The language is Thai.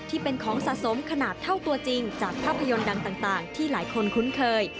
ที่เป็นของสะสมขนาดเท่าตัวจริงจากภาพยนตร์ดังต่างที่หลายคนคุ้นเคย